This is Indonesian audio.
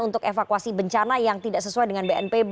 untuk evakuasi bencana yang tidak sesuai dengan bnpb